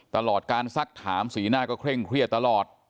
ตลอดการซักถามสีหน้าก็เคร่งเครียดตลอด